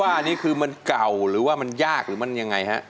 ว่าอันนี้คือมันเก่าหรือว่ามันยากหรือมันยังไงฮะ